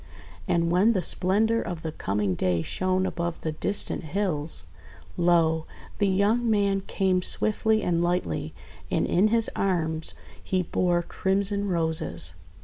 And when the splendour of the coming day shone above the distant hills, lo! the young man came swiftly and lightly, and in his arms he bore crimson Roses.